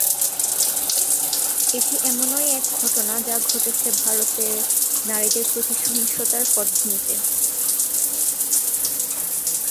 এটি এমনই এক ঘটনা যা ঘটেছে ভারতে নারীদের প্রতি সহিংসতার পটভূমিতে।